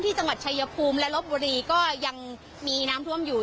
จังหวัดชายภูมิและลบบุรีก็ยังมีน้ำท่วมอยู่